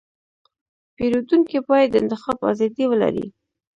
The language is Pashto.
پیرودونکی باید د انتخاب ازادي ولري.